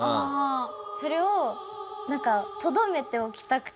それをとどめておきたくて。